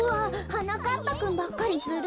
はなかっぱくんばっかりずるい！